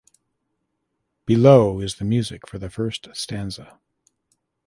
Below is the music for the first stanza.